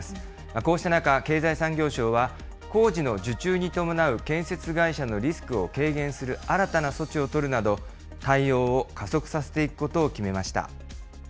こうした中、経済産業省は工事の受注に伴う建設会社のリスクを軽減する新たな措置を取るなど、対応を加速させていくことを決めました。